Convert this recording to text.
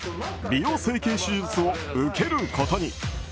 美容整形手術を受けることに。